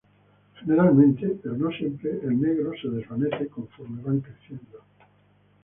Generalmente, pero no siempre, el negro se desvanece conforme van creciendo.